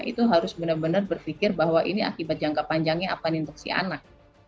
itu harus benar benar berpikir bahwa ini akibat jangka panjangnya apa nih untuk si anak